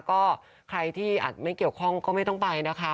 ก็ใครที่อาจไม่เกี่ยวข้องก็ไม่ต้องไปนะคะ